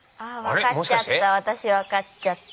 分かっちゃった。